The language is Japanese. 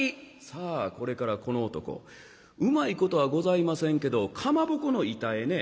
さあこれからこの男うまいことはございませんけどかまぼこの板へね